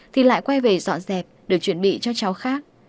thì lại quay về dọn dẹp để chuẩn bị cho cháu khác